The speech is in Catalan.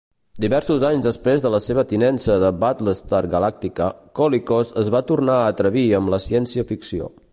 Diversos anys després de la seva tinença de "Battlestar Galactica", Colicos es va tornar a atrevir amb la ciència-ficció.